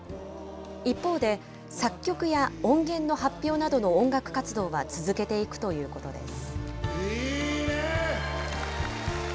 一方で、作曲や音源の発表などの音楽活動は続けていくということです。